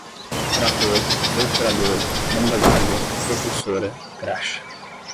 trator, perfurador, bomba d'água, propulsora, graxa